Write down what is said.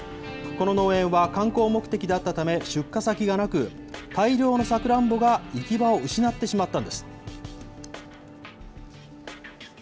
この農園は観光目的であったため、出荷先がなく、大量のサクランボが行き場を失ってしまったんです。